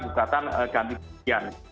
bukatan ganti pendidikan